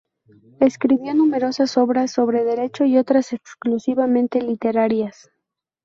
Escribió numerosas obras sobre Derecho y otras exclusivamente literarias.